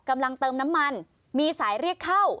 กำลังเติมน้ำมันมีสายเรียกเข้า